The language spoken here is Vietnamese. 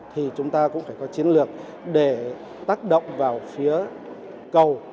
thì chúng ta cũng phải có chiến lược để tác động vào phía cầu